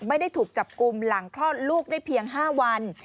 ไม่ได้ถูกจับกลุ่มหลังคลอดลูกได้เพียง๕วัน